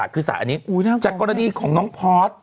คือสระอาถรรพ์อันนี้จากกรณีของน้องพอร์ต